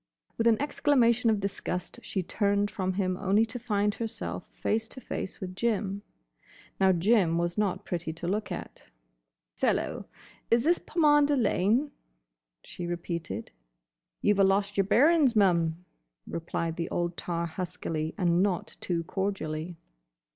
With an exclamation of disgust she turned from him only to find herself face to face with Jim. Now Jim was not pretty to look at. "Fellow, is this Pomander Lane?" she repeated. "You 've a lost yer bearin's, mum," replied the old tar huskily and not too cordially.